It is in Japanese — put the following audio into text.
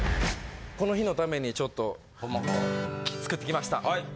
この日のためにちょっと、作ってきました。